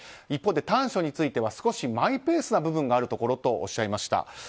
一方で短所については少しマイペースな部分があるところとおっしゃいました。